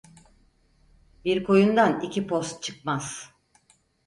Bir koyundan iki post çıkmaz.